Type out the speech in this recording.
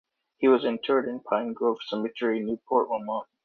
He was interred in Pine Grove Cemetery, Newport, Vermont.